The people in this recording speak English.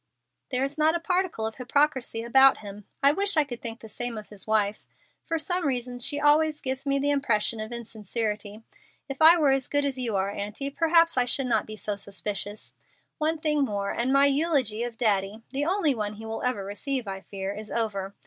"There is not a particle of hypocrisy about him. I wish I could think the same of his wife. For some reason she always gives me the impression of insincerity. If I were as good as you are, aunty, perhaps I should not be so suspicious. One thing more, and my eulogy of Daddy the only one he will ever receive, I fear is over.